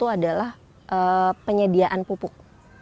adalah penyediaan pupuk